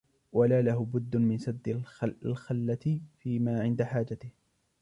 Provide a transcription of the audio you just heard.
وَلَا لَهُ بُدٌّ مِنْ سَدِّ الْخَلَّةِ فِيهَا عِنْدَ حَاجَتِهِ